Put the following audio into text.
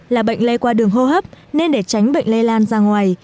là bệnh lây qua đường hô hấp nên để tránh bệnh lây lan ra ngoài